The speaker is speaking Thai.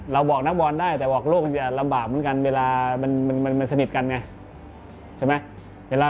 บอกนักบอลได้แต่บอกโลกมันจะลำบากเหมือนกันเวลามันสนิทกันไงใช่ไหม